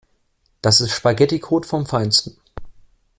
Das ist Spaghetticode vom Feinsten.